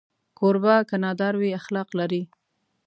کوربه که نادار وي، اخلاق لري.